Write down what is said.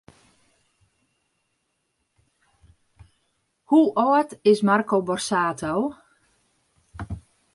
Hoe âld is Marco Borsato?